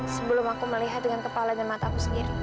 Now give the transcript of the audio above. sebelum aku melihat dengan kepala dan mataku sendiri